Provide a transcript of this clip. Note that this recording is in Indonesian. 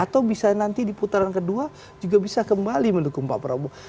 atau bisa nanti di putaran kedua juga bisa kembali mendukung pak prabowo